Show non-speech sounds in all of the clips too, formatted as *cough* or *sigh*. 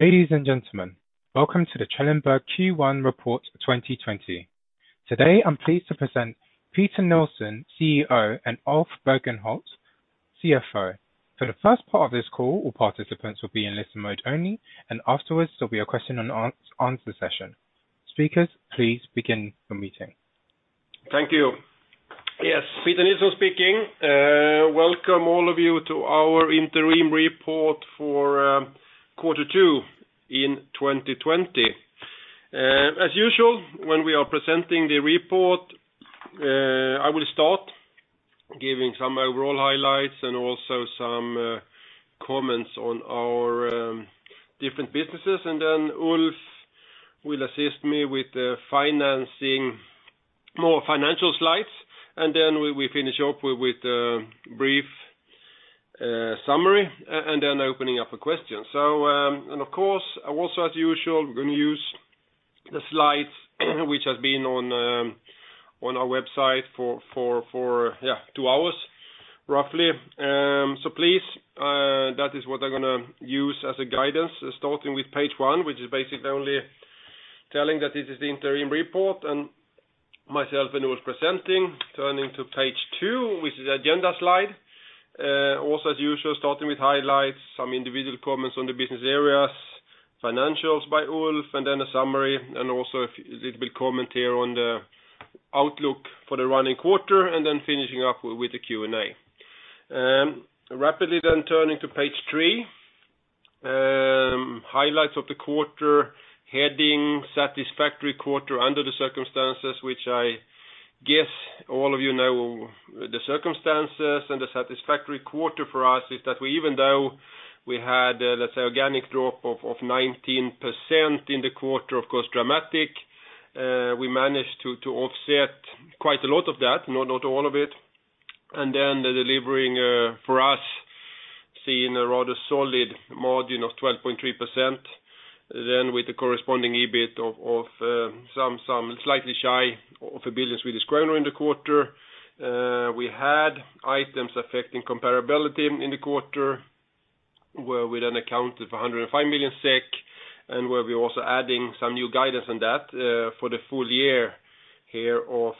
Ladies and gentlemen, welcome to the Trelleborg Q2 report 2020. Today, I'm pleased to present Peter Nilsson, CEO, and Ulf Berghult, CFO. For the first part of this call, all participants will be in listen mode only, and afterwards, there'll be a question and answer session. Speakers, please begin your meeting. Thank you. Yes, Peter Nilsson speaking. Welcome all of you to our interim report for Q2 2020. As usual, when we are presenting the report, I will start giving some overall highlights and also some comments on our different businesses. Ulf will assist me with more financial slides. We finish up with a brief summary, opening up for questions. Of course, also as usual, we're going to use the slides which have been on our website for two hours roughly. Please, that is what I'm going to use as a guidance, starting with page one, which is basically only telling that this is the interim report and myself and Ulf presenting. Turning to page two, which is the agenda slide. Also, as usual, starting with highlights, some individual comments on the business areas, financials by Ulf, and then a summary, and also a little bit of commentary on the outlook for the running quarter, and then finishing up with the Q&A. Rapidly turning to page three. Highlights of the quarter, heading satisfactory quarter under the circumstances, which I guess all of you know the circumstances and the satisfactory quarter for us is that even though we had, let's say, organic drop of 19% in the quarter, of course dramatic, we managed to offset quite a lot of that. Not all of it. The delivering for us, seeing a rather solid margin of 12.3%. With the corresponding EBIT of slightly shy of 1 billion Swedish kronor in the quarter. We had items affecting comparability in the quarter where we then accounted for 105 million SEK, and where we're also adding some new guidance on that for the full year here of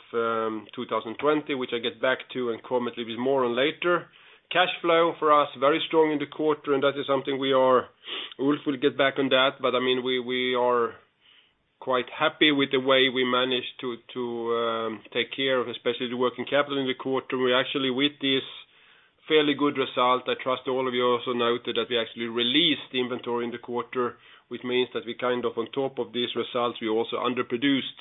2020, which I'll get back to and comment a little bit more on later. Cash flow for us, very strong in the quarter, and that is something Ulf will get back on that, but we are quite happy with the way we managed to take care of especially the working capital in the quarter. We actually, with this fairly good result, I trust all of you also noted that we actually released inventory in the quarter, which means that we're on top of these results, we also underproduced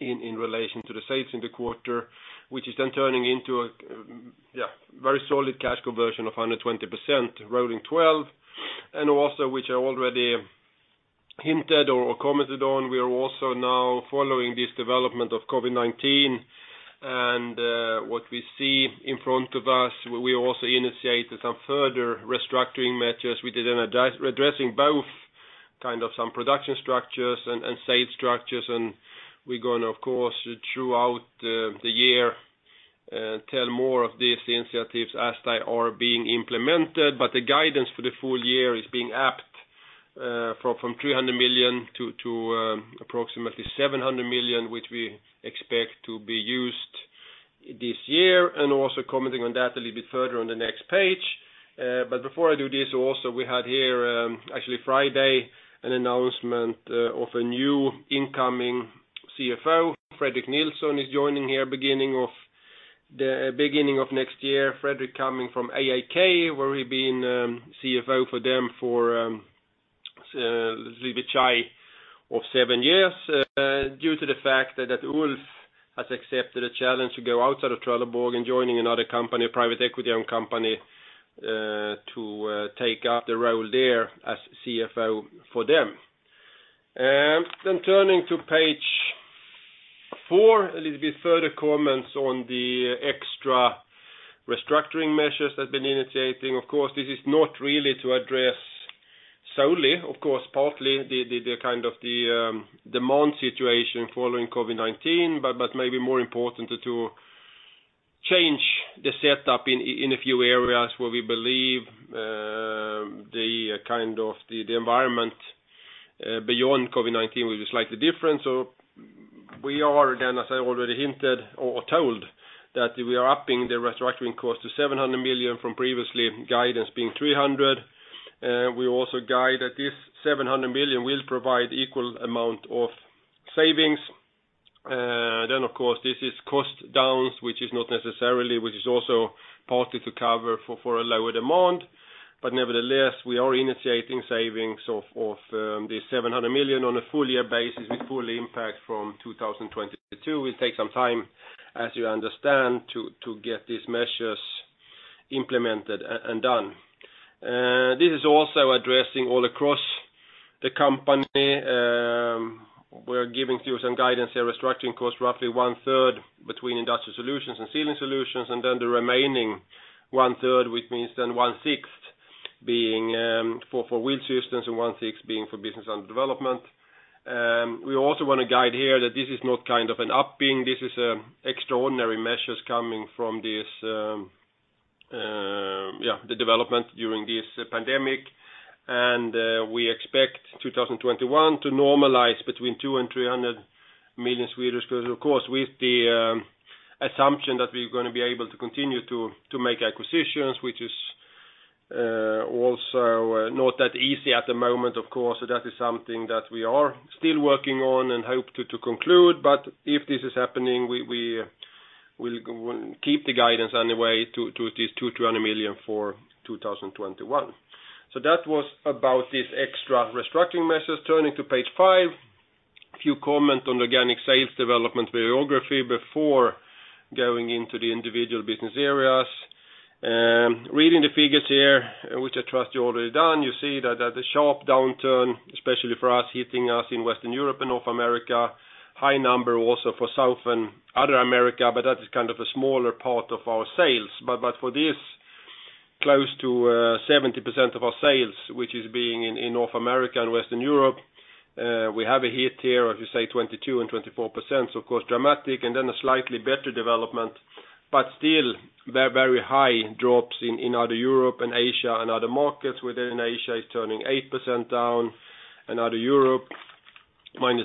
in relation to the sales in the quarter, which is then turning into a very solid cash conversion of 120% rolling 12. Also, which I already hinted or commented on, we are also now following this development of COVID-19 and what we see in front of us. We also initiated some further restructuring measures. We did addressing both production structures and sales structures, we're going to, of course, throughout the year, tell more of these initiatives as they are being implemented. The guidance for the full year is being upped from 300 million to approximately 700 million, which we expect to be used this year. Also commenting on that a little bit further on the next page. Before I do this, also, we had here, actually Friday, an announcement of a new incoming CFO, Fredrik Nilsson is joining here beginning of next year. Fredrik coming from AAK, where he's been CFO for them for a little bit shy of seven years, due to the fact that Ulf has accepted a challenge to go outside of Trelleborg and joining another company, a private equity-owned company, to take up the role there as CFO for them. Turning to page four, a little bit further comments on the extra restructuring measures that have been initiating. Of course, this is not really to address solely, of course, partly the demand situation following COVID-19, but maybe more important to change the setup in a few areas where we believe the environment beyond COVID-19 will be slightly different. So we are then, as I already hinted or told, that we are upping the restructuring cost to 700 million from previously guidance being 300 million. We also guide that this 700 million will provide equal amount of savings. Of course, this is cost downs, which is not necessarily, which is also partly to cover for a lower demand. Nevertheless, we are initiating savings of 700 million on a full year basis with full impact from 2022. It will take some time, as you understand, to get these measures implemented and done. This is also addressing all across the company. We are giving you some guidance here, restructuring costs roughly one-third between Trelleborg Industrial Solutions and Trelleborg Sealing Solutions, and then the remaining one-third, which means then one-sixth being for Trelleborg Wheel Systems and one-sixth being for Business Under Development. We also want to guide here that this is not an upping, this is extraordinary measures coming from the development during this pandemic, and we expect 2021 to normalize between 200 million-300 million. Of course, with the assumption that we're going to be able to continue to make acquisitions, which is also not that easy at the moment, of course. That is something that we are still working on and hope to conclude. If this is happening, we will keep the guidance anyway to this 200 million-300 million for 2021. That was about this extra restructuring measures. Turning to page five, a few comment on organic sales development by geography before going into the individual business areas. Reading the figures here, which I trust you already done, you see that the sharp downturn, especially for us, hitting us in Western Europe and North America. High number also for South and Other America, that is a smaller part of our sales. For this, close to 70% of our sales, which is being in North America and Western Europe, we have a hit here of you say 22% and 24%, of course, dramatic, and then a slightly better development, but still very high drops in Other Europe and Asia, and other markets within Asia is turning 8% down, and Other Europe -13%.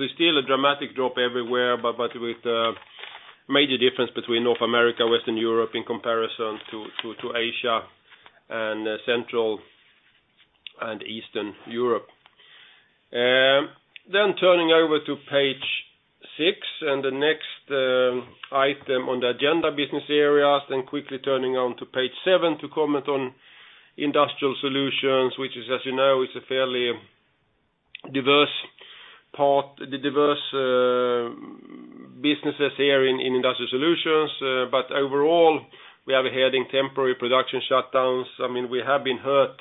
It's still a dramatic drop everywhere, but with a major difference between North America, Western Europe in comparison to Asia, and Central and Eastern Europe. Turning over to page six and the next item on the agenda, business areas, quickly turning on to page seven to comment on Industrial Solutions, which is, as you know, it's a fairly diverse businesses here in Industrial Solutions. Overall, we have a heading: temporary production shutdowns. We have been hurt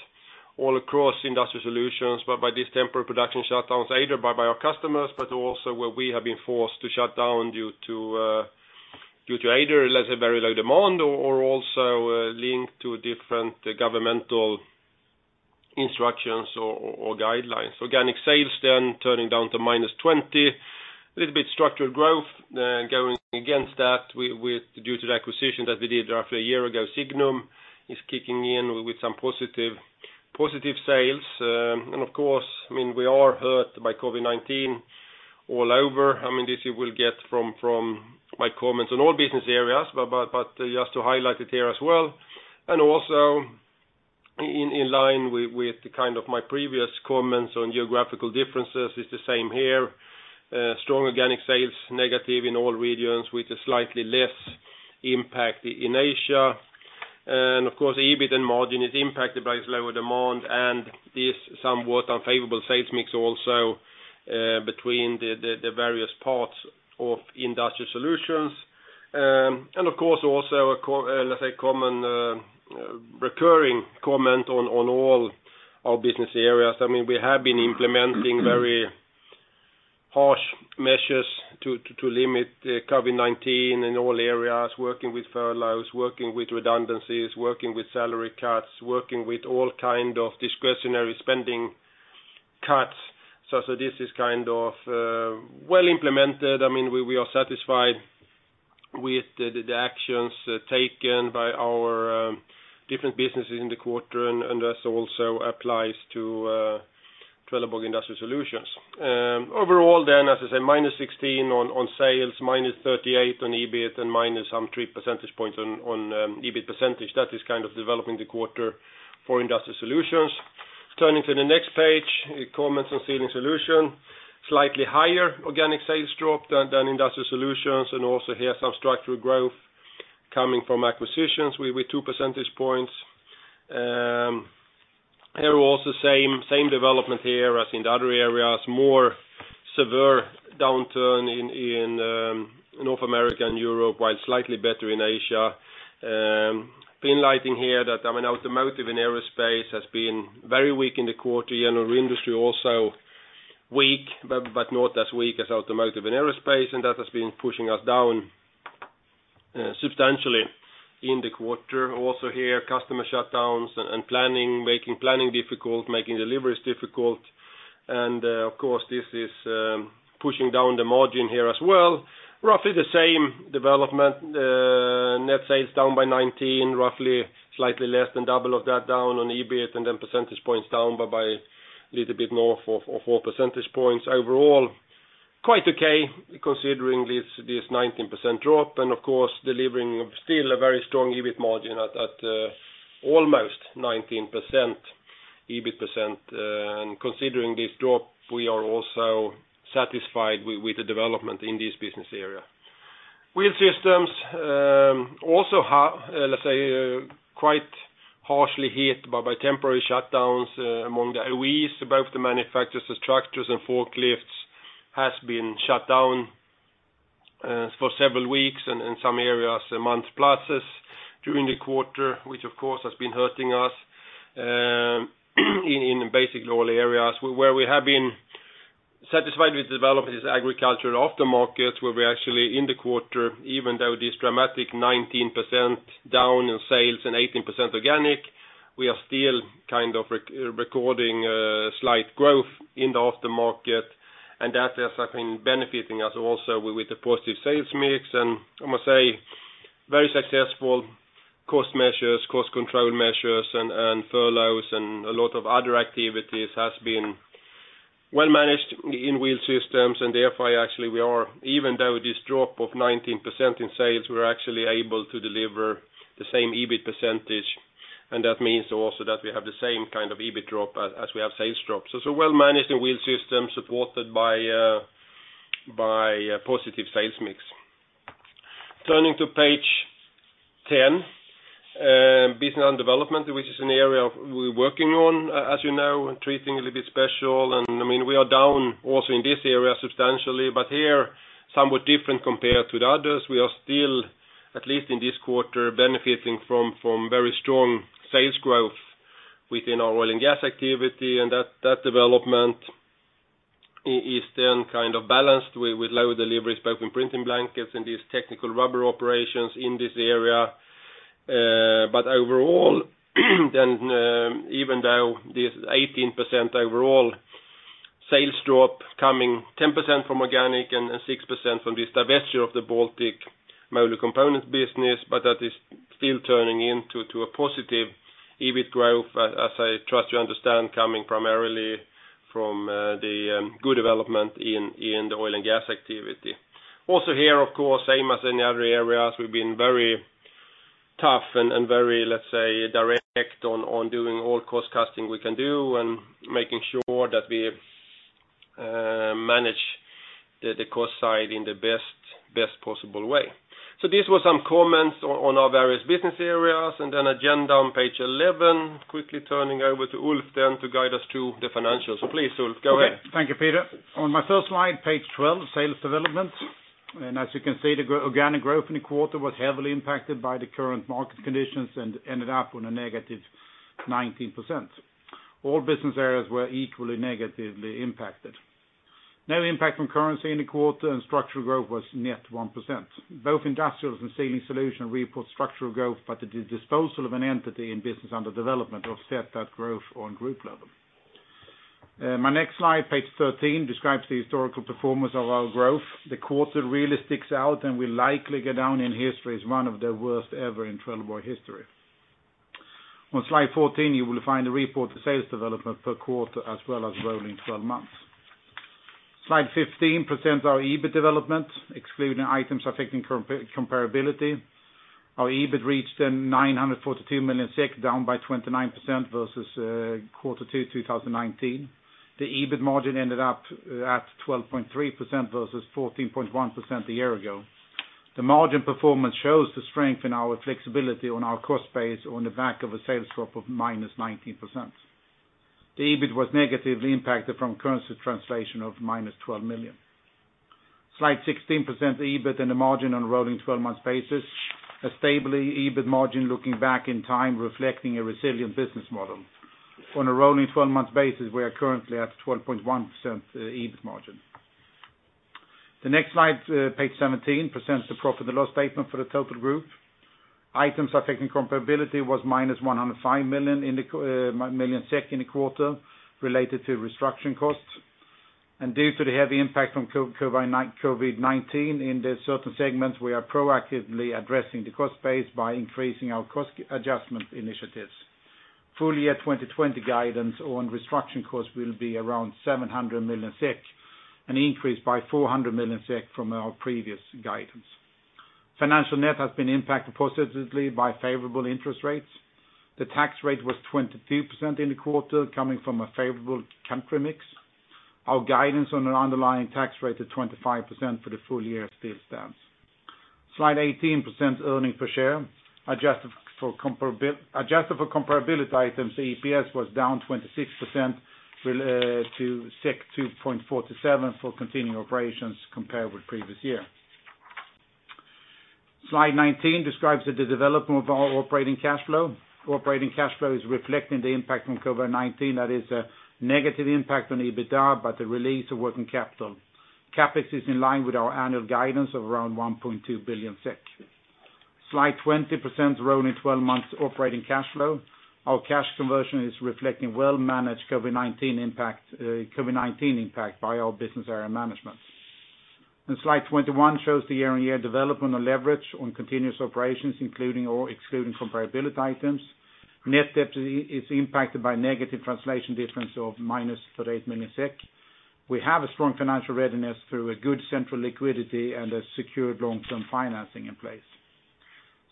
all across Industrial Solutions, but by these temporary production shutdowns, either by our customers, but also where we have been forced to shut down due to either let's say very low demand or also linked to different governmental instructions or guidelines. Organic sales turning down to -20%. Little bit structural growth. Going against that due to the acquisition that we did roughly a year ago, Signum, is kicking in with some positive sales. Of course, we are hurt by COVID-19 all over. This you will get from my comments on all business areas, but just to highlight it here as well. Also, in line with my previous comments on geographical differences, it's the same here. Strong organic sales, negative in all regions with a slightly less impact in Asia. Of course, EBIT and margin is impacted by this lower demand and this somewhat unfavorable sales mix also between the various parts of Industrial Solutions. Of course, also a common recurring comment on all our business areas. We have been implementing very harsh measures to limit COVID-19 in all areas, working with furloughs, working with redundancies, working with salary cuts, working with all kind of discretionary spending cuts. This is well implemented. We are satisfied with the actions taken by our different businesses in the quarter, and that also applies to Trelleborg Industrial Solutions. Overall, as I say, -16% on sales, -38% on EBIT, and minus some three percentage points on EBIT percentage. That is developing the quarter for Industrial Solutions. Turning to the next page, comments on Sealing Solutions. Slightly higher organic sales drop than Industrial Solutions, also here some structural growth coming from acquisitions with 2 percentage points. Here also same development as in the other areas, more severe downturn in North America and Europe, while slightly better in Asia. Highlighting here that automotive and aerospace has been very weak in the quarter. General industry also weak, not as weak as automotive and aerospace, that has been pushing us down substantially in the quarter. Also here, customer shutdowns and making planning difficult, making deliveries difficult. Of course, this is pushing down the margin here as well. Roughly the same development. Net sales down by 19%, roughly slightly less than double of that down on EBIT, then percentage points down by little bit more of 4 percentage points. Overall, quite okay considering this 19% drop and, of course, delivering still a very strong EBIT margin at almost 19% EBIT. Considering this drop, we are also satisfied with the development in this business area. Wheel Systems also let's say quite harshly hit by temporary shutdowns among the OEs, both the manufacturers of tractors and forklifts, has been shut down for several weeks, and in some areas a month plus during the quarter, which of course, has been hurting us in basically all areas. Where we have been satisfied with the development is agriculture aftermarket, where we actually in the quarter, even though this dramatic 19% down in sales and 18% organic, we are still recording slight growth in the aftermarket. That has been benefiting us also with the positive sales mix, and I must say, very successful cost measures, cost control measures, and furloughs, and a lot of other activities has been well managed in Wheel Systems, and therefore, actually, even though this drop of 19% in sales, we are actually able to deliver the same EBIT %, and that means also that we have the same kind of EBIT drop as we have sales drop. Well-managed in Wheel Systems, supported by a positive sales mix. Turning to page 10, Businesses Under Development, which is an area we are working on, as you know, treating a little bit special. We are down also in this area substantially, but here, somewhat different compared to the others. We are still, at least in this quarter, benefiting from very strong sales growth within our oil and gas activity, and that development is then balanced with low deliveries both in printing blankets and these technical rubber operations in this area. Overall, even though this 18% overall sales drop coming 10% from organic and 6% from this divesture of the Baltic Molded Components business, but that is still turning into a positive EBIT growth, as I trust you understand, coming primarily from the good development in the oil and gas activity. Also here, of course, same as in the other areas, we've been very tough and very, let's say, direct on doing all cost cutting we can do and making sure that we manage the cost side in the best possible way. These were some comments on our various business areas, and then agenda on page 11. Quickly turning over to Ulf then to guide us through the financials. Please, Ulf, go ahead. Okay. Thank you, Peter. On my first slide, page 12, Sales Development. As you can see, the organic growth in the quarter was heavily impacted by the current market conditions and ended up on a -19%. All business areas were equally negatively impacted. No impact from currency in the quarter, and structural growth was 1%. Both Industrials and Sealing Solutions report structural growth, but the disposal of an entity in Businesses Under Development offset that growth on group level. My next slide, page 13, describes the historical performance of our growth. The quarter really sticks out, and will likely go down in history as one of the worst ever in Trelleborg history. On slide 14, you will find the reported sales development per quarter as well as rolling 12 months. Slide 15 presents our EBIT development, excluding items affecting comparability. Our EBIT reached 942 million SEK, down by 29% versus Q2 2019. The EBIT margin ended up at 12.3% versus 14.1% a year ago. The margin performance shows the strength in our flexibility on our cost base on the back of a sales drop of -19%. The EBIT was negatively impacted from currency translation of -12 million. Slide 16 presents EBIT and the margin on a rolling 12 months basis. A stable EBIT margin looking back in time, reflecting a resilient business model. On a rolling 12 months basis, we are currently at 12.1% EBIT margin. The next slide, page 17, presents the P&L statement for the total group. Items affecting comparability was -105 million SEK in the quarter, related to restructuring costs. Due to the heavy impact from COVID-19 in the certain segments, we are proactively addressing the cost base by increasing our cost adjustment initiatives. Full year 2020 guidance on restructuring costs will be around 700 million SEK, an increase by 400 million SEK from our previous guidance. Financial net has been impacted positively by favorable interest rates. The tax rate was 22% in the quarter, coming from a favorable country mix. Our guidance on an underlying tax rate to 25% for the full year still stands. Slide 18 presents earnings per share. Adjusted for comparability items, the EPS was down 26% to 2.47 for continuing operations compared with previous year. Slide 19 describes the development of our operating cash flow. Operating cash flow is reflecting the impact from COVID-19. That is a negative impact on EBITDA, but the release of working capital. CapEx is in line with our annual guidance of around 1.2 billion SEK. Slide 20 presents rolling 12 months operating cash flow. Our cash conversion is reflecting well-managed COVID-19 impact by our business area management. Slide 21 shows the year-on-year development of leverage on continuous operations, including or excluding comparability items. Net debt is impacted by negative translation difference of minus 38 million SEK. We have a strong financial readiness through a good central liquidity and a secured long-term financing in place.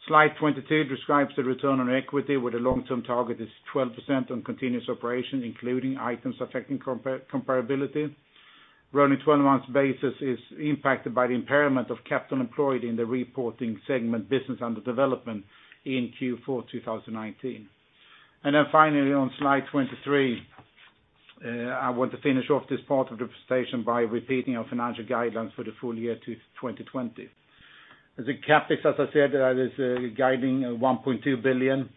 Slide 22 describes the return on equity, where the long-term target is 12% on continuous operations, including items affecting comparability. Rolling 12 months basis is impacted by the impairment of capital employed in the reporting segment Businesses Under Development in Q4 2019. Finally on slide 23, I want to finish off this part of the presentation by repeating our financial guidance for the full year 2020. The CapEx, as I said, is guiding 1.2 billion.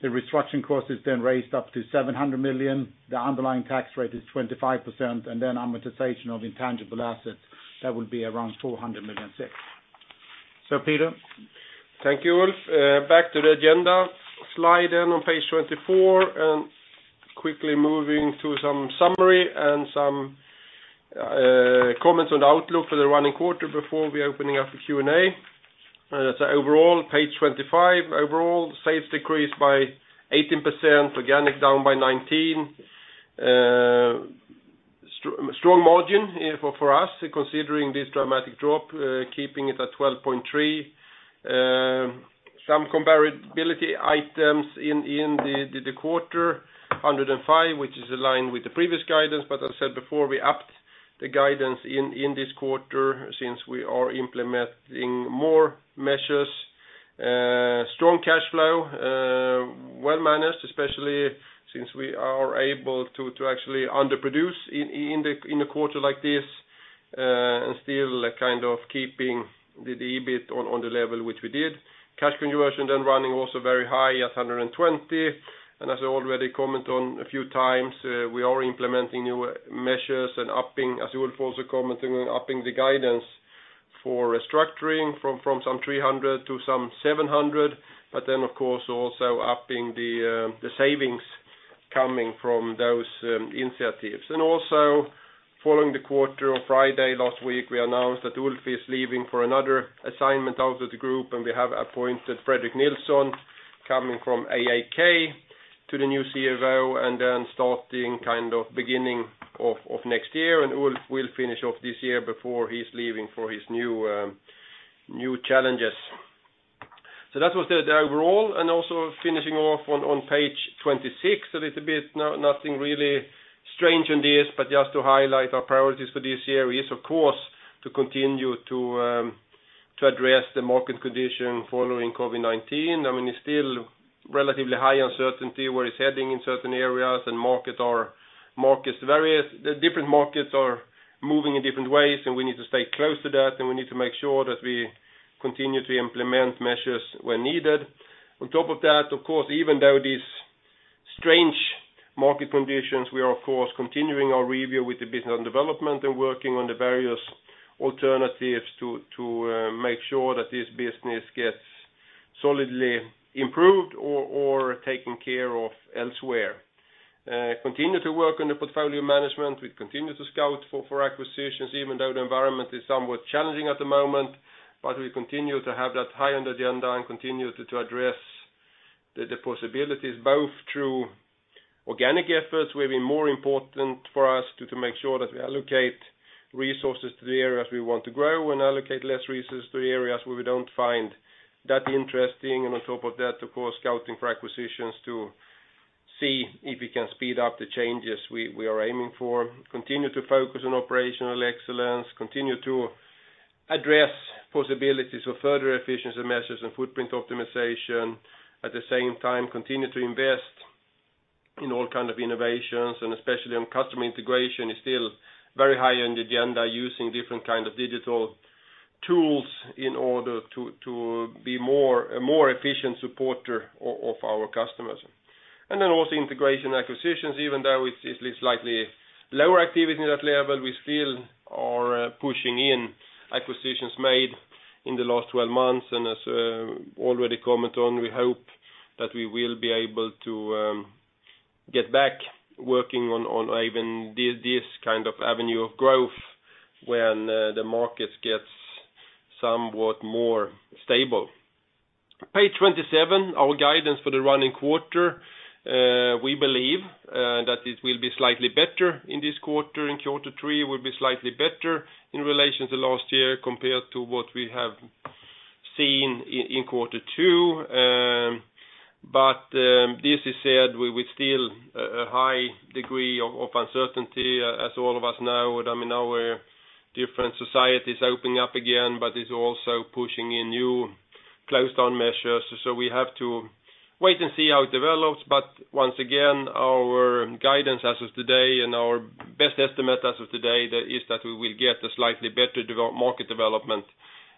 The restructuring cost is then raised up to 700 million. The underlying tax rate is 25%, amortization of intangible assets, that will be around 400 million. Peter? Thank you, Ulf. Back to the agenda slide on page 24, quickly moving to some summary and some comments on the outlook for the running quarter before we opening up for Q&A. Overall, page 25. Overall, sales decreased by 18%, organic down by 19%. Strong margin for us considering this dramatic drop keeping it at 12.3%. Some comparability items in the quarter, 105, which is aligned with the previous guidance, as I said before, we upped the guidance in this quarter since we are implementing more measures. Strong cash flow, well managed especially since we are able to actually underproduce in a quarter like this, still keeping the EBIT on the level which we did. Cash conversion then running also very high at 120%, and as I already comment on a few times, we are implementing new measures and upping, as Ulf also commenting on upping the guidance for restructuring from 300 to 700, but then of course also upping the savings coming from those initiatives. Following the quarter on Friday last week, we announced that Ulf is leaving for another assignment out of the group, and we have appointed Fredrik Nilsson coming from AAK to the new CFO and then starting beginning of next year, and Ulf will finish off this year before he's leaving for his new challenges. That was the overall, and also finishing off on page 26, a little bit, nothing really strange on this, but just to highlight our priorities for this year is of course, to continue to address the market condition following COVID-19. I mean, it's still relatively high uncertainty where it's heading in certain areas and different markets are moving in different ways, and we need to stay close to that, and we need to make sure that we continue to implement measures when needed. On top of that, of course, even though these strange market conditions, we are of course continuing our review with the Businesses Under Development and working on the various alternatives to make sure that this business gets solidly improved or taken care of elsewhere. Continue to work on the portfolio management. We continue to scout for acquisitions even though the environment is somewhat challenging at the moment. We continue to have that high on the agenda and continue to address the possibilities both through organic efforts, will be more important for us to make sure that we allocate resources to the areas we want to grow and allocate less resources to the areas where we don't find that interesting, and on top of that, of course, scouting for acquisitions to see if we can speed up the changes we are aiming for. Continue to focus on operational excellence, continue to address possibilities of further efficiency measures and footprint optimization. At the same time, continue to invest in all kind of innovations, and especially on customer integration is still very high on the agenda using different kind of digital tools in order to be a more efficient supporter of our customers. Also integration acquisitions, even though it's slightly lower activity in that level, we still are pushing in acquisitions made in the last 12 months. As already comment on, we hope that we will be able to get back working on even this kind of avenue of growth when the markets gets somewhat more stable. Page 27, our guidance for the running quarter. We believe that it will be slightly better in this quarter, in quarter three will be slightly better in relation to last year compared to what we have seen in quarter two. This is said, with still a high degree of uncertainty, as all of us know. I mean, our different societies opening up again, it's also pushing in new closed down measures. We have to wait and see how it develops. Once again, our guidance as of today and our best estimate as of today, that is that we will get a slightly better market development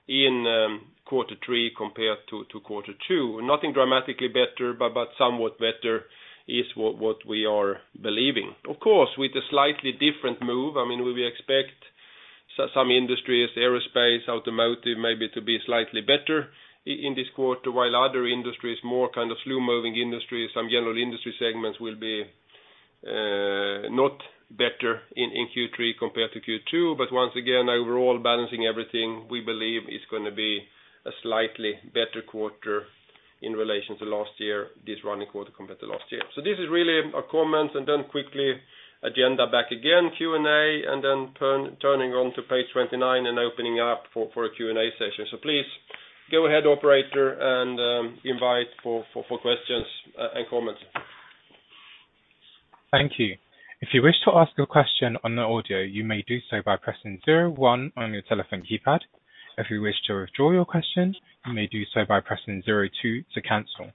in quarter three compared to quarter two. Nothing dramatically better, but somewhat better is what we are believing. Of course, with a slightly different move, we expect some industries, aerospace, automotive, maybe to be slightly better in this quarter, while other industries, more kind of slow-moving industries, some general industry segments will be not better in Q3 compared to Q2. Once again, overall balancing everything, we believe it's going to be a slightly better quarter in relation to last year, this running quarter compared to last year. This is really our comments, quickly agenda back again, Q&A, turning on to page 29 and opening up for a Q&A session. Please go ahead, operator, and invite for questions and comments. Thank you. If you wish to ask a question on the audio, you may do so by pressing 01 on your telephone keypad. If you wish to withdraw your question, you may do so by pressing 02 to cancel.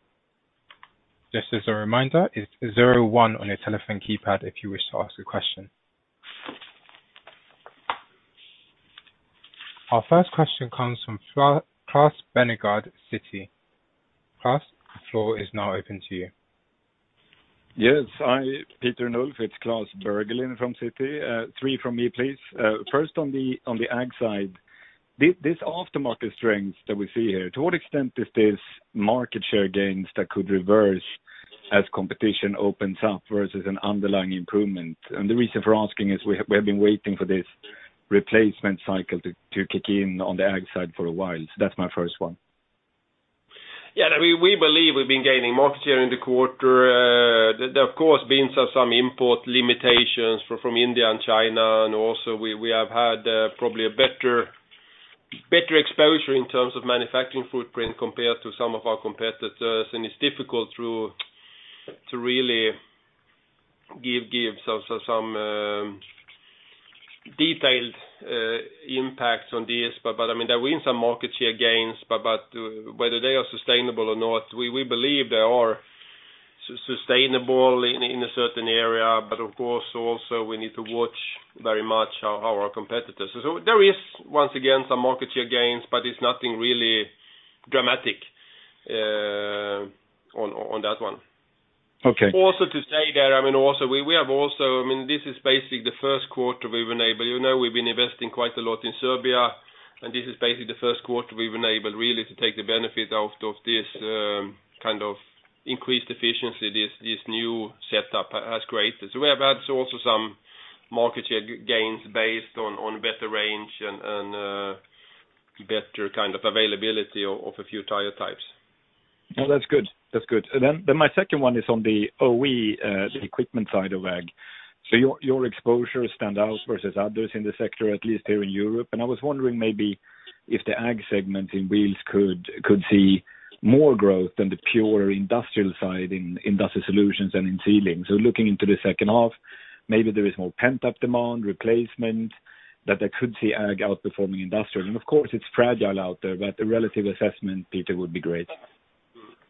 Just as a reminder, it's 01 on your telephone keypad if you wish to ask a question. Our first question comes from Klas Bergelin, Citi. Klas, the floor is now open to you Yes. Hi, Peter and Ulf. It's Klas Bergelind from Citi. three from me, please. First, on the ag side, this aftermarket strength that we see here, to what extent is this market share gains that could reverse as competition opens up versus an underlying improvement? The reason for asking is we have been waiting for this replacement cycle to kick in on the ag side for a while. That's my first one. Yeah. We believe we've been gaining market share in the quarter. There, of course, been some import limitations from India and China, and also we have had probably a better exposure in terms of manufacturing footprint compared to some of our competitors, and it's difficult to really give some detailed impacts on this. There've been some market share gains, but whether they are sustainable or not, we believe they are sustainable in a certain area. Of course, also we need to watch very much our competitors. There is once again, some market share gains, but it's nothing really dramatic on that one. Okay. Also to say that, this is basically the first quarter we've enabled. We've been investing quite a lot in Serbia, and this is basically the first quarter we've enabled really to take the benefit out of this kind of increased efficiency, this new setup has created. We have had also some market share gains based on better range and better kind of availability of a few tire types. No, that's good. My second one is on the OE equipment side of ag. Your exposure stands out versus others in the sector, at least here in Europe. I was wondering maybe if the ag segment in wheels could see more growth than the pure industrial side in Trelleborg Industrial Solutions and in Trelleborg Sealing Solutions. Looking into the second half, maybe there is more pent-up demand, replacement that I could see ag outperforming industrial. Of course, it's fragile out there, but a relative assessment, Peter, would be great.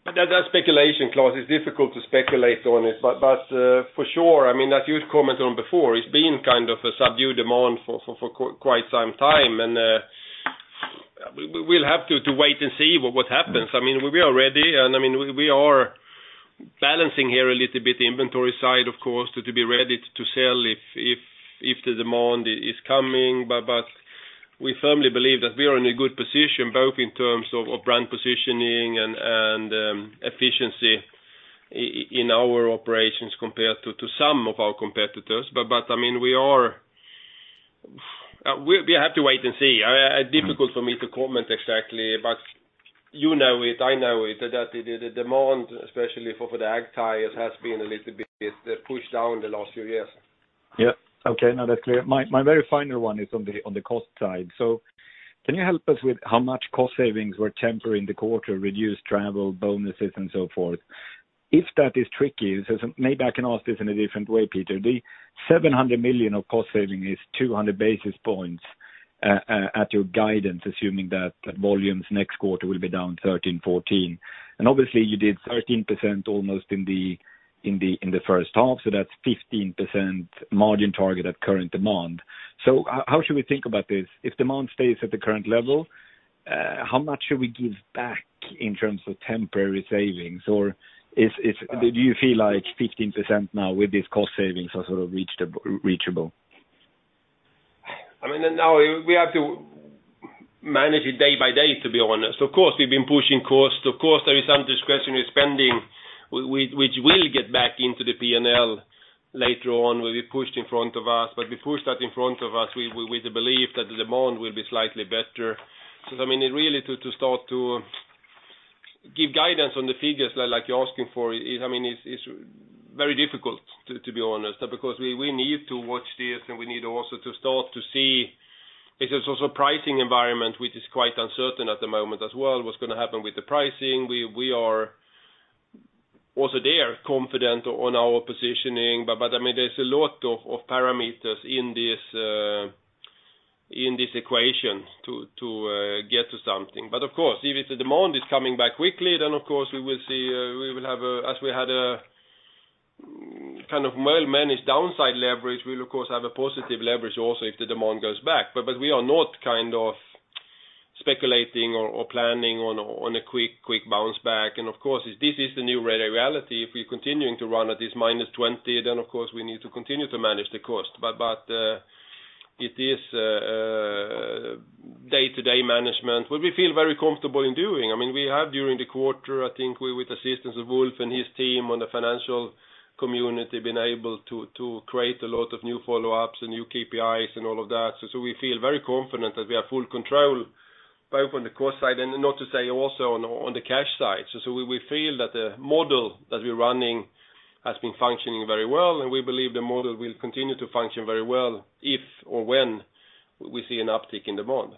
That speculation, Klas, is difficult to speculate on it. For sure, as you've commented on before, it's been kind of a subdued demand for quite some time, and we'll have to wait and see what happens. We are ready, and we are balancing here a little bit the inventory side, of course, to be ready to sell if the demand is coming. We firmly believe that we are in a good position, both in terms of brand positioning and efficiency in our operations compared to some of our competitors. We have to wait and see. Difficult for me to comment exactly, but you know it, I know it, that the demand, especially for the ag tires, has been a little bit pushed down the last few years. Yeah. Okay, now that's clear. My very final one is on the cost side. Can you help us with how much cost savings were temporary in the quarter, reduced travel, bonuses, and so forth? If that is tricky, maybe I can ask this in a different way, Peter. The 700 million of cost saving is 200 basis points at your guidance, assuming that volumes next quarter will be down 13%, 14%. Obviously you did 13% almost in the first half, that's 15% margin target at current demand. How should we think about this? If demand stays at the current level, how much should we give back in terms of temporary savings? Do you feel like 15% now with these cost savings are sort of reachable? Now, we have to manage it day by day, to be honest. Of course, we've been pushing costs. Of course, there is some discretionary spending, which will get back into the P&L later on, will be pushed in front of us. We push that in front of us with the belief that the demand will be slightly better. Really to start to give guidance on the figures like you're asking for is very difficult to be honest. We need to watch this, and we need also to start to see if there's also pricing environment, which is quite uncertain at the moment as well. What's going to happen with the pricing? We are also there confident on our positioning, but there's a lot of parameters in this equation to get to something. Of course, if the demand is coming back quickly, then of course we will see, as we had a kind of well-managed downside leverage, we'll of course have a positive leverage also if the demand goes back. We are not kind of speculating or planning on a quick bounce back. Of course, if this is the new reality, if we're continuing to run at this -20, then of course we need to continue to manage the cost. It is day-to-day management, what we feel very comfortable in doing. We have during the quarter, I think with the assistance of Ulf and his team on the financial community, been able to create a lot of new follow-ups and new KPIs and all of that. We feel very confident that we have full control both on the cost side and not to say also on the cash side. We feel that the model that we're running has been functioning very well, and we believe the model will continue to function very well if or when we see an uptick in demand.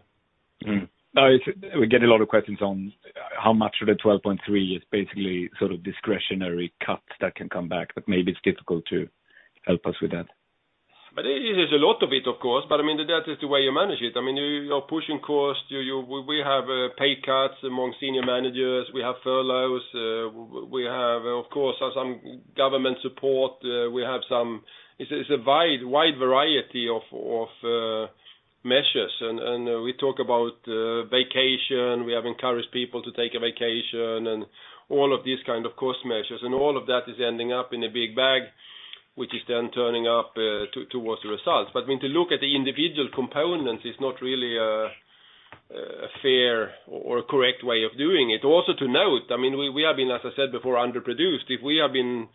We get a lot of questions on how much of the 12.3 is basically sort of discretionary cuts that can come back. Maybe it's difficult to help us with that. It is a lot of it, of course. That is the way you manage it. You're pushing cost. We have pay cuts among senior managers. We have furloughs. We have, of course, some government support. It's a wide variety of measures, and we talk about vacation, encourage people to take a vacation and all of these kind of cost measures, and all of that is ending up in a big bag, which is then turning up towards the results. To look at the individual components is not really a fair or a correct way of doing it. Also to note, we have been, as I said before, underproduced. If we have been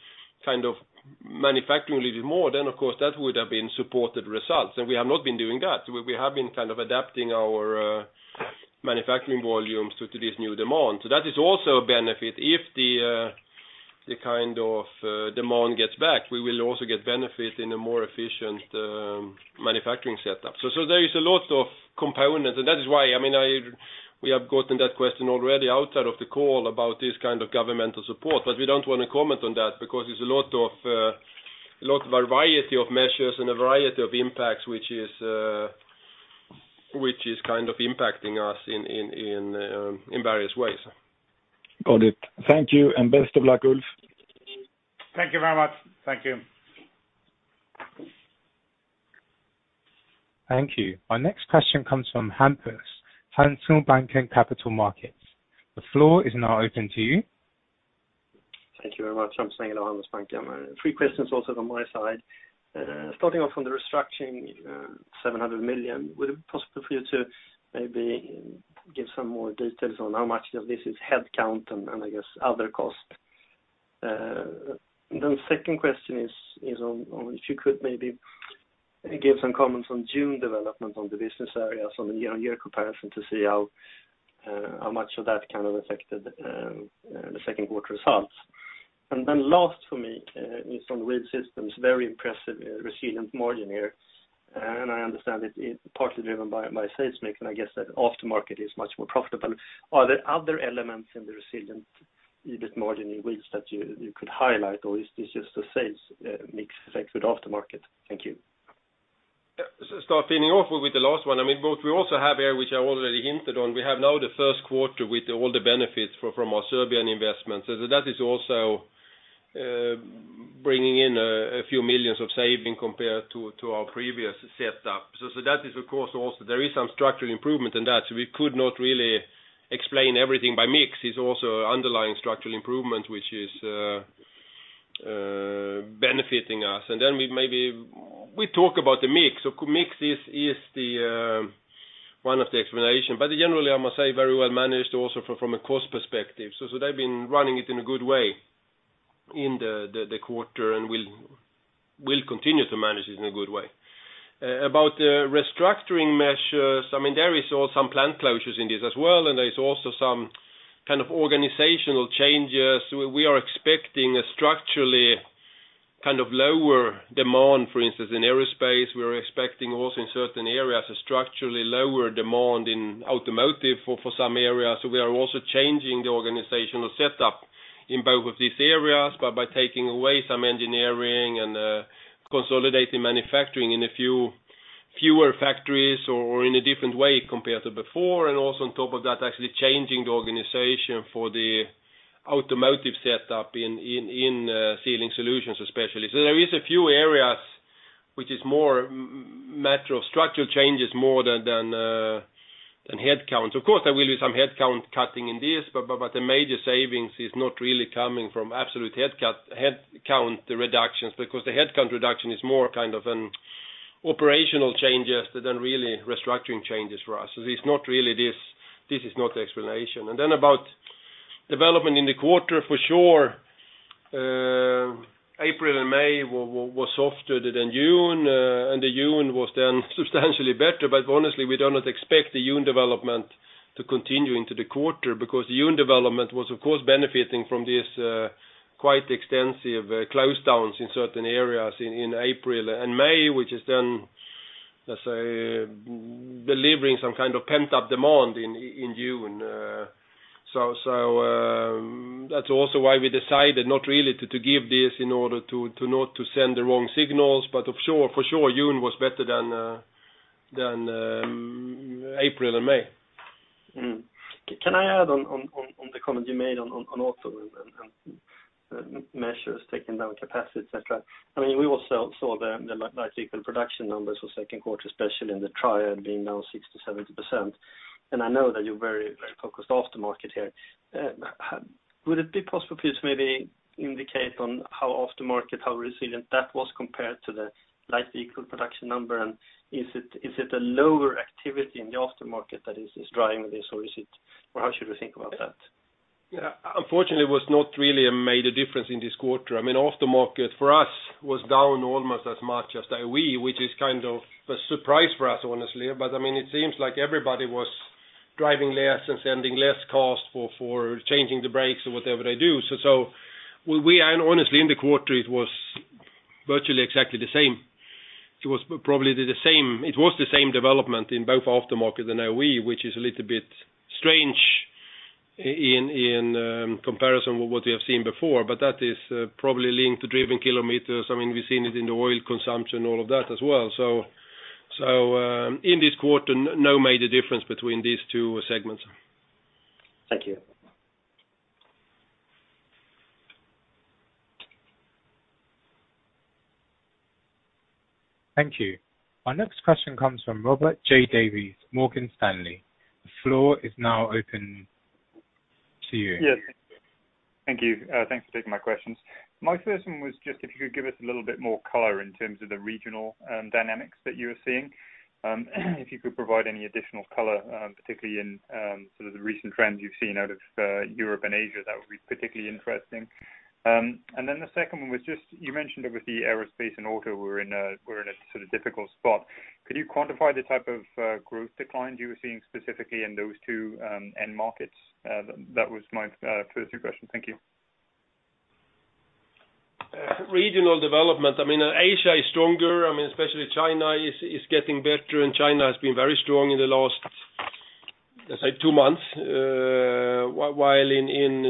manufacturing a little more, then of course that would have been supported results, and we have not been doing that. We have been adapting our manufacturing volumes to this new demand. That is also a benefit if the demand gets back, we will also get benefit in a more efficient manufacturing setup. There is a lot of components, and that is why, we have gotten that question already outside of the call about this kind of governmental support. We don't want to comment on that because it's a lot of variety of measures and a variety of impacts, which is impacting us in various ways. Got it. Thank you and best of luck, Ulf. Thank you very much. Thank you. Thank you. Our next question comes from Hampus, Handelsbanken Capital Markets. The floor is now open to you. Thank you very much. I'm *inaudible* Handelsbanken. Three questions also from my side. Starting off on the restructuring, 700 million. Would it be possible for you to maybe give some more details on how much of this is headcount and, I guess, other costs? Second question is on if you could maybe give some comments on June development on the business areas on a year-on-year comparison to see how much of that affected the second quarter results. Last for me is on Wheel Systems, very impressive resilient margin here, and I understand it is partly driven by sales mix, and I guess that aftermarket is much more profitable. Are there other elements in the resilient EBIT margin in Wheels that you could highlight, or is this just a sales mix effect with aftermarket? Thank you. Start finishing off with the last one. We also have here, which I already hinted on, we have now the first quarter with all the benefits from our Serbian investments. That is also bringing in a few millions SEK of saving compared to our previous setup. That is, of course, also there is some structural improvement in that. We could not really explain everything by mix. It's also underlying structural improvement, which is benefiting us. We talk about the mix. Mix is one of the explanation, but generally, I must say very well managed also from a cost perspective. They've been running it in a good way in the quarter and will continue to manage it in a good way. About the restructuring measures, there is also some plant closures in this as well, and there's also some kind of organizational changes. We are expecting a structurally lower demand, for instance, in aerospace. We are expecting also in certain areas a structurally lower demand in automotive for some areas. We are also changing the organizational setup in both of these areas by taking away some engineering and consolidating manufacturing in a fewer factories or in a different way compared to before, and also on top of that, actually changing the organization for the automotive setup in Sealing Solutions, especially. There is a few areas which is more matter of structural changes more than headcount. Of course, there will be some headcount cutting in this, but the major savings is not really coming from absolute headcount reductions, because the headcount reduction is more an operational changes than really restructuring changes for us. This is not the explanation. Then about development in the quarter, for sure, April and May were softer than June, and June was then substantially better. Honestly, we do not expect the June development to continue into the quarter because June development was, of course, benefiting from these quite extensive close downs in certain areas in April and May, which is then, let's say, delivering some kind of pent-up demand in June. That's also why we decided not really to give this in order to not to send the wrong signals, but for sure, June was better than April and May. Can I add on the comment you made on auto and measures taking down capacity, et cetera? We also saw the light vehicle production numbers for second quarter, especially in the Triad being now 60%-70%. I know that you're very focused aftermarket here. Would it be possible for you to maybe indicate on how aftermarket, how resilient that was compared to the light vehicle production number? Is it a lower activity in the aftermarket that is driving this, or how should we think about that? Unfortunately, it was not really a major difference in this quarter. Aftermarket for us was down almost as much as OE, which is a surprise for us, honestly. It seems like everybody was driving less and sending less cost for changing the brakes or whatever they do. And honestly, in the quarter, it was virtually exactly the same. It was probably the same. It was the same development in both aftermarket and OE, which is a little bit strange in comparison with what we have seen before, but that is probably linked to driven kilometers. We've seen it in the oil consumption, all of that as well. In this quarter, no major difference between these two segments. Thank you. Thank you. Our next question comes from Robert J. Davies, Morgan Stanley. The floor is now open to you. Yes. Thank you for taking my questions. My first one was just if you could give us a little bit more color in terms of the regional dynamics that you are seeing. If you could provide any additional color, particularly in the recent trends you've seen out of Europe and Asia, that would be particularly interesting. The second one was just, you mentioned that with the aerospace and auto, we're in a difficult spot. Could you quantify the type of growth declines you were seeing specifically in those two end markets? That was my first two questions. Thank you. Regional development. Asia is stronger, especially China is getting better. China has been very strong in the last, let's say two months. In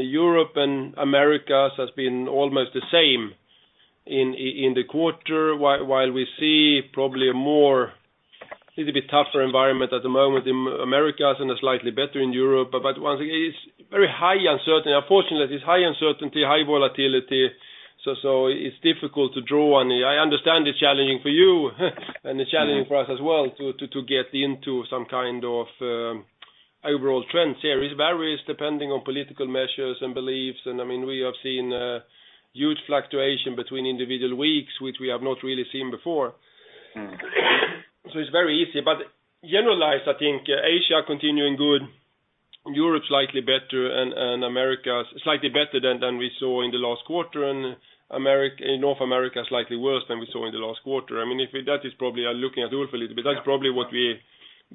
Europe and Americas has been almost the same in the quarter, while we see probably a more little bit tougher environment at the moment in Americas, slightly better in Europe. It's very high uncertainty. Unfortunately, it is high uncertainty, high volatility. It's difficult to draw any. I understand it's challenging for you, it's challenging for us as well to get into some kind of overall trends here. It varies depending on political measures and beliefs. We have seen a huge fluctuation between individual weeks, which we have not really seen before. It's very easy. Generalized, I think Asia continuing good, Europe slightly better, and Americas slightly better than we saw in the last quarter, and North America slightly worse than we saw in the last quarter. If that is probably looking at Ulf a little bit, that's probably what we're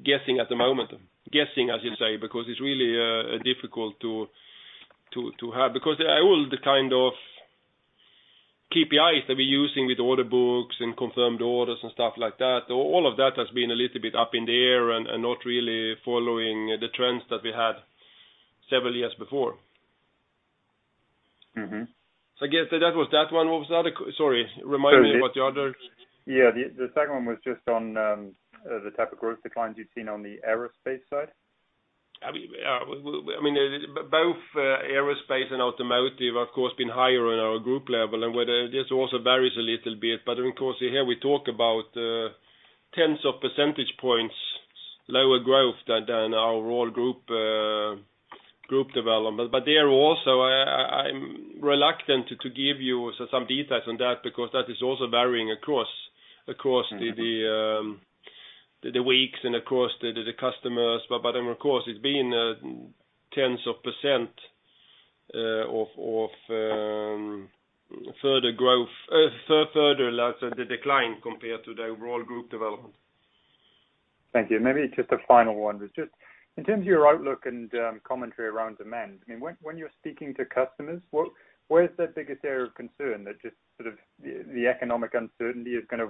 guessing at the moment. Guessing, as you say, because it's really difficult to have, because all the kind of KPIs that we're using with order books and confirmed orders and stuff like that, all of that has been a little bit up in the air and not really following the trends that we had several years before. That was that one. What was the other? Sorry, remind me what the other. Yeah. The second one was just on the type of growth declines you've seen on the aerospace side. Both aerospace and automotive, of course, have been higher on our group level, and this also varies a little bit. Of course, here we talk about tens of percentage points, lower growth than our raw group development. There also, I am reluctant to give you some details on that because that is also varying across the weeks and across the customers. Of course it has been tens of % of further decline compared to the overall group development. Thank you. Maybe just a final one, was just in terms of your outlook and commentary around demand, when you're speaking to customers, where's their biggest area of concern? That just sort of the economic uncertainty is going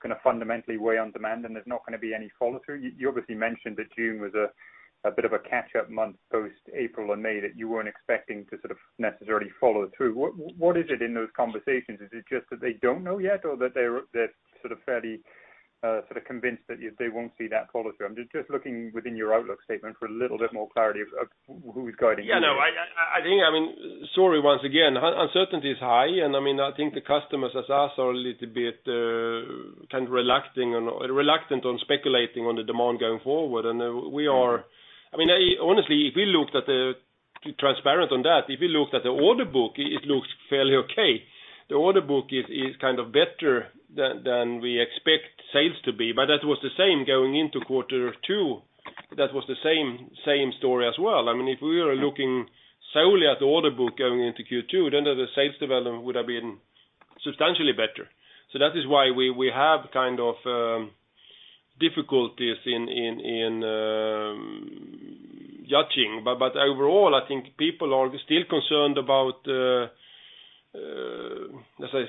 to fundamentally weigh on demand, and there's not going to be any follow-through. You obviously mentioned that June was a bit of a catch-up month post April and May, that you weren't expecting to sort of necessarily follow through. What is it in those conversations? Is it just that they don't know yet or that they're sort of fairly convinced that they won't see that follow-through? I'm just looking within your outlook statement for a little bit more clarity of who is guiding you here. I think, sorry, once again, uncertainty is high, and I think the customers, as us, are a little bit reluctant on speculating on the demand going forward, and we are. Honestly, if we looked at the transparent on that, if you looked at the order book, it looks fairly okay. The order book is kind of better than we expect sales to be. That was the same going into quarter two. That was the same story as well. If we were looking solely at the order book going into Q2, the sales development would have been substantially better. That is why we have kind of difficulties in judging. Overall, I think people are still concerned about, let's say,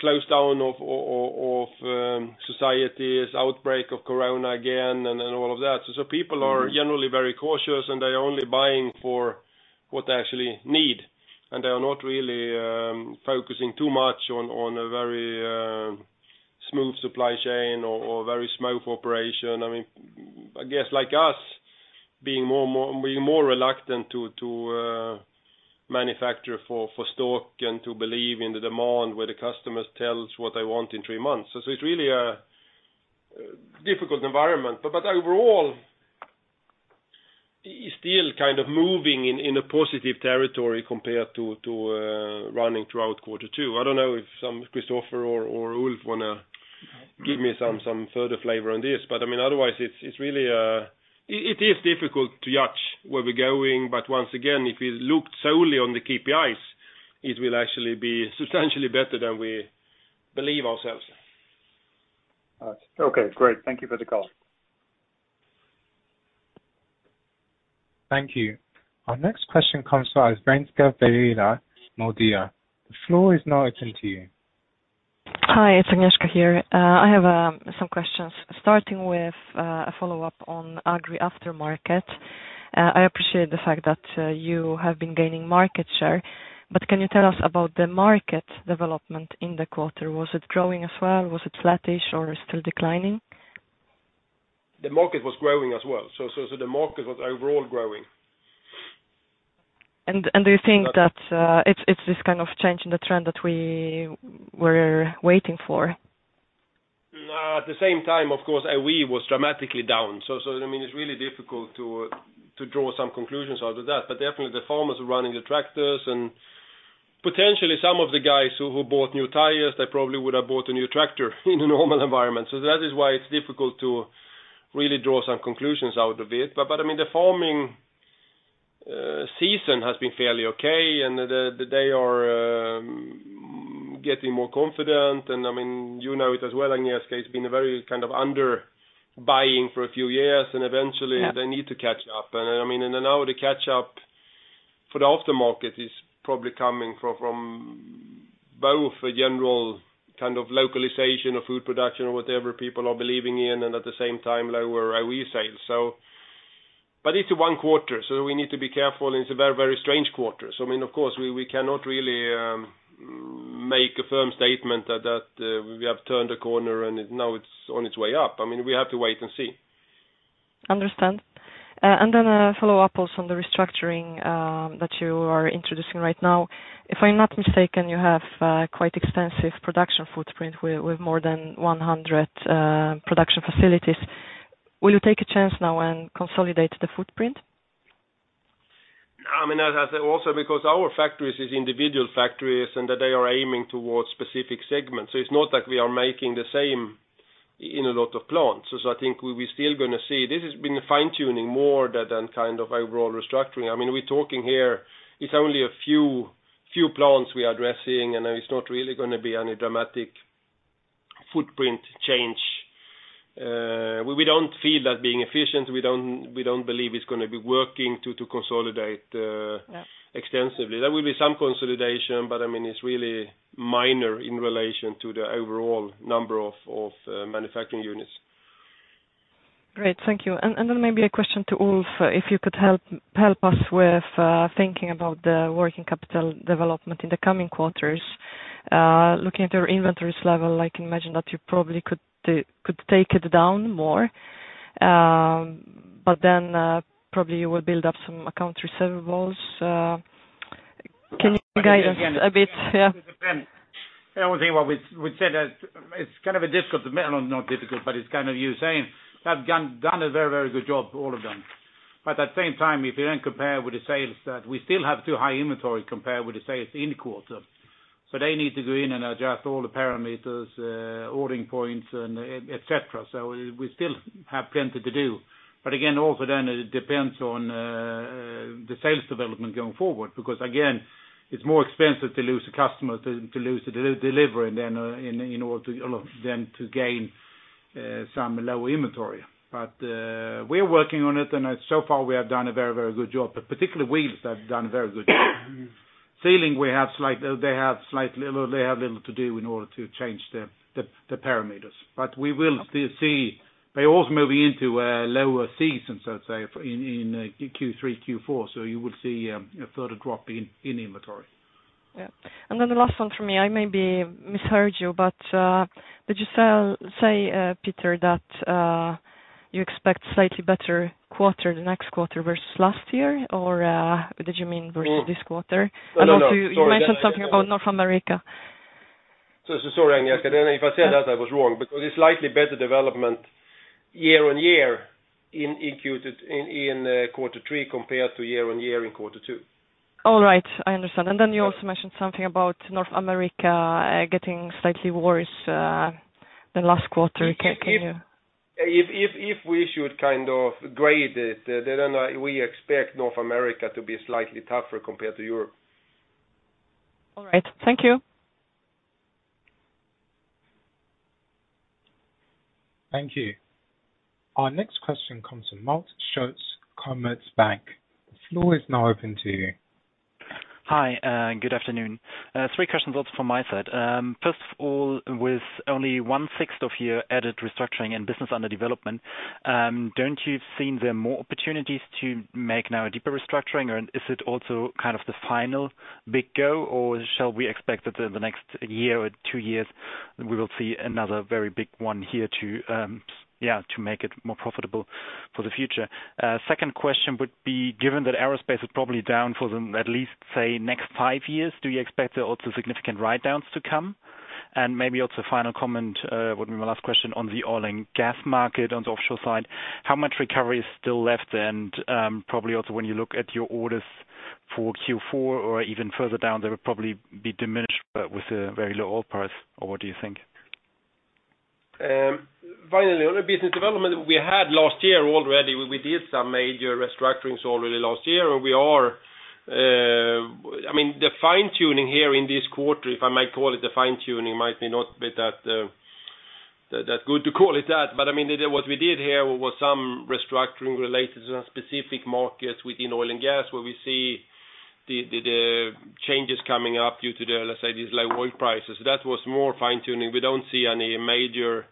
close down of societies, outbreak of coronavirus again, and all of that. generally very cautious. They are only buying for what they actually need. They are not really focusing too much on a very smooth supply chain or very smooth operation. I guess like us, being more reluctant to manufacture for stock and to believe in the demand where the customers tell us what they want in three months. It's really a difficult environment. Overall, still kind of moving in a positive territory compared to running throughout quarter two. I don't know if Christofer or Ulf want to give me some further flavor on this, but otherwise, it is difficult to judge where we're going. Once again, if we looked solely on the KPIs, it will actually be substantially better than we believe ourselves. Okay, great. Thank you for the call. Thank you. Our next question comes from Agnieszka Vilela, Nordea. The floor is now open to you. Hi, it's Agnieszka here. I have some questions starting with a follow-up on Agri Aftermarket. I appreciate the fact that you have been gaining market share, but can you tell us about the market development in the quarter? Was it growing as well? Was it flattish or still declining? The market was growing as well. The market was overall growing. Do you think that it's this kind of change in the trend that we were waiting for? At the same time, of course, OE was dramatically down. It's really difficult to draw some conclusions out of that, but definitely the farmers are running the tractors, and potentially some of the guys who bought new tires, they probably would have bought a new tractor in a normal environment. That is why it's difficult to really draw some conclusions out of it. The farming season has been fairly okay, and they are getting more confident, and you know it as well, Agnieszka, it's been a very kind of under-buying for a few years, and eventually they need to catch up. Now the catch-up for the aftermarket is probably coming from both a general kind of localization of food production or whatever people are believing in, and at the same time, lower OE sales. It's one quarter, so we need to be careful, and it's a very strange quarter. Of course, we cannot really make a firm statement that we have turned a corner and now it's on its way up. We have to wait and see. Understand. A follow-up also on the restructuring that you are introducing right now. If I'm not mistaken, you have quite extensive production footprint with more than 100 production facilities. Will you take a chance now and consolidate the footprint? Because our factories is individual factories, and that they are aiming towards specific segments. It's not that we are making the same in a lot of plants. I think we will still going to see, this has been a fine-tuning more than kind of overall restructuring. We're talking here, it's only a few plants we are addressing, and it's not really going to be any dramatic footprint change. We don't feel that being efficient, we don't believe it's going to be working to consolidate extensively. There will be some consolidation, but it's really minor in relation to the overall number of manufacturing units. Great. Thank you. Maybe a question to Ulf, if you could help us with thinking about the working capital development in the coming quarters. Looking at your inventories level, I can imagine that you probably could take it down more. Probably you will build up some accounts receivables. Can you guide us a bit? It depends. The only thing what we said that it's kind of difficult, not difficult, but it's kind of you saying they've done a very good job, all of them. At the same time, if you compare with the sales that we still have too high inventory compared with the sales in quarter. They need to go in and adjust all the parameters, ordering points and et cetera. We still have plenty to do. Again, also it depends on the sales development going forward, because again, it's more expensive to lose a customer, to lose the delivery than to gain some low inventory. We're working on it, and so far we have done a very good job. Particularly Wheels have done a very good job. Sealing, they have little to do in order to change the parameters. We will still see by also moving into a lower season, let's say, in Q3, Q4, so you would see a further drop in inventory. Yeah. The last one from me, I maybe misheard you, but did you say, Peter, that you expect slightly better quarter the next quarter versus last year? Did you mean versus this quarter? No. Sorry. You mentioned something about North America. Sorry, Agnieszka. If I said that, I was wrong, because it's slightly better development year-on-year in quarter three compared to year-on-year in quarter two. All right, I understand. You also mentioned something about North America getting slightly worse than last quarter. Can you? If we should kind of grade it, then we expect North America to be slightly tougher compared to Europe. All right. Thank you. Thank you. Our next question comes from Malte Schulz, Commerzbank. The floor is now open to you. Hi, good afternoon. Three questions also from my side. First of all, with only one sixth of your added restructuring and Businesses Under Development, don't you have seen there more opportunities to make now a deeper restructuring or is it also kind of the final big go, or shall we expect that in the next year or two years, we will see another very big one here to make it more profitable for the future? Second question would be, given that aerospace is probably down for the at least say next five years, do you expect also significant write-downs to come? Maybe also final comment, would be my last question on the oil and gas market on the offshore side, how much recovery is still left? Probably also when you look at your orders for Q4 or even further down, they will probably be diminished with the very low oil price, or what do you think? Finally, on the business development, we had last year already, we did some major restructurings already last year. The fine-tuning here in this quarter, if I might call it a fine-tuning, might be not that good to call it that, but what we did here was some restructuring related to specific markets within oil and gas, where we see the changes coming up due to the, let's say, these low oil prices. That was more fine-tuning. We don't see any major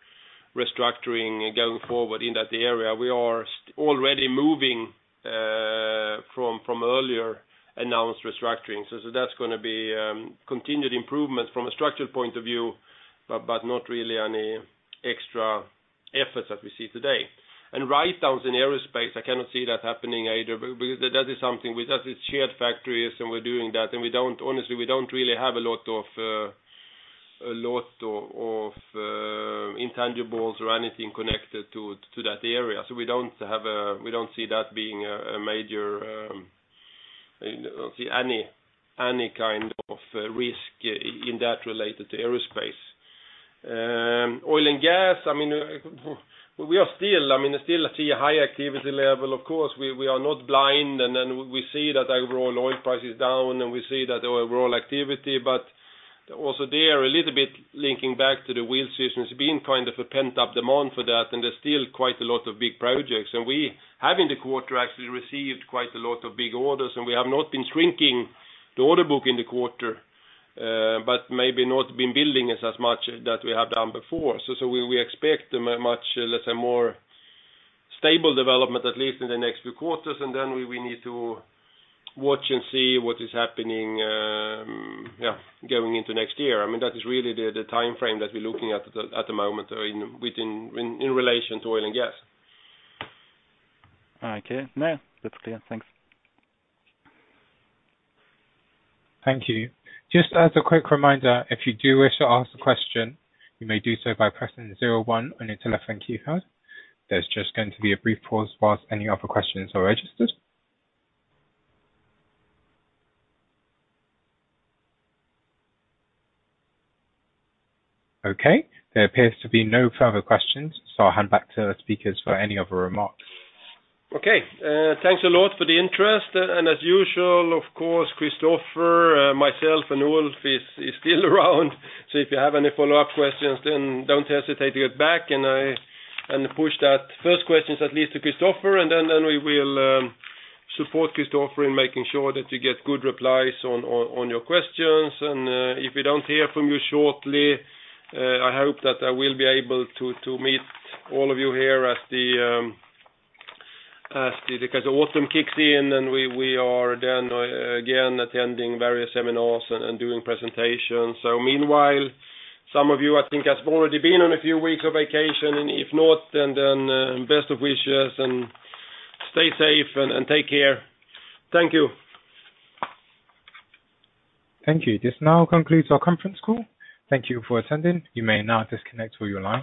restructuring going forward in that area. We are already moving from earlier announced restructuring. That's going to be continued improvements from a structured point of view. Not really any extra efforts that we see today. Write-downs in aerospace, I cannot see that happening either, because that is something with us, it's shared factories, and we don't really have a lot of intangibles or anything connected to that area. Don't see any kind of risk in that related to aerospace. Oil and gas, we still see a high activity level. Of course, we are not blind, we see that overall oil price is down, and we see that overall activity, but also there, a little bit linking back to the wheel season, it's been kind of a pent-up demand for that, and there's still quite a lot of big projects. We have, in the quarter, actually received quite a lot of big orders, and we have not been shrinking the order book in the quarter, but maybe not been billing as much that we have done before. We expect a much, let's say, more stable development, at least in the next few quarters. We need to watch and see what is happening, going into next year. That is really the timeframe that we're looking at the moment in relation to oil and gas. Okay. No, that's clear. Thanks. Thank you. Just as a quick reminder, if you do wish to ask a question, you may do so by pressing 01 on your telephone keypad. There's just going to be a brief pause while any other questions are registered. Okay. There appears to be no further questions, I'll hand back to the speakers for any other remarks. Okay. Thanks a lot for the interest. As usual, of course, Christofer, myself, and Ulf is still around, so if you have any follow-up questions, then don't hesitate to get back and push that first questions at least to Christofer, then we will support Christofer in making sure that you get good replies on your questions. If we don't hear from you shortly, I hope that I will be able to meet all of you here as the autumn kicks in, and we are then again attending various seminars and doing presentations. Meanwhile, some of you, I think, have already been on a few weeks of vacation, if not, then best of wishes, and stay safe, and take care. Thank you. Thank you. This now concludes our conference call. Thank you for attending. You may now disconnect from your line.